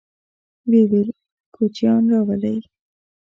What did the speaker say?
ويې ويل: کوچيان راولئ!